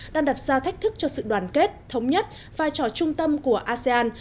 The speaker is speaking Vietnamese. đang đặt ra thách thức cho sự đoàn kết thống nhất vai trò trung tâm của asean